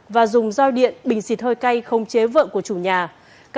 và dùng roi điện bình xịt hơi cay không chế vợ của chủ nhà